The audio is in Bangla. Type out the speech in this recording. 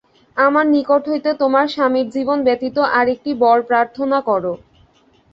আমার নিকট হইতে তোমার স্বামীর জীবন ব্যতীত আর একটি বর প্রার্থনা কর।